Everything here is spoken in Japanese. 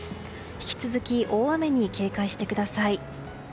引き続き大雨に警戒してください。